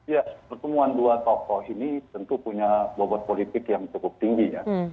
ya pertemuan dua tokoh ini tentu punya bobot politik yang cukup tinggi ya